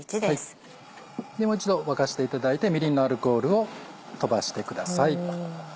もう一度沸かしていただいてみりんのアルコールを飛ばしてください。